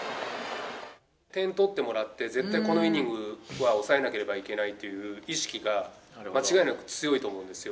点取ってもらって、絶対このイニングは抑えなければいけないっていう意識が、間違いなく強いと思うんですよ。